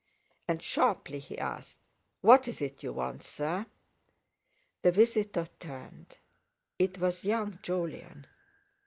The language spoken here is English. And sharply he asked: "What is it you want, sir?" The visitor turned. It was young Jolyon.